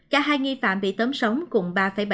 cả hai nghi phạm bị tấm sống cùng bà